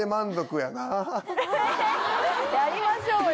やりましょうよ。